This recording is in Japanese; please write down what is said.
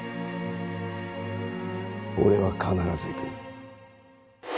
俺は必ず行く。